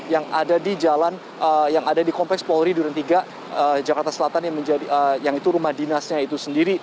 yang ada di jalan yang ada di kompleks polri duren tiga jakarta selatan yang itu rumah dinasnya itu sendiri